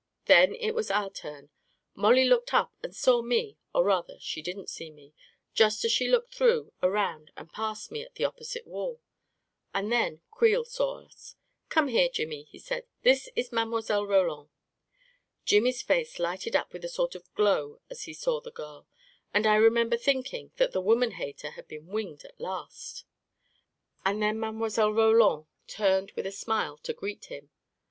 Then it was our turn. Mollie looked up and saw me — or rather, she didn't see me — she just looked through, around and past me at the opposite wall; and then Creel saw us. 44 Come here, Jimmy," he said. 4C This is Mile. Roland." Jimmy's face lighted up with a sort of glow as he saw the girl, and I remember thinking that the woman hater had been winged at last ; and then Mile. Roland turned with a smile to greet him.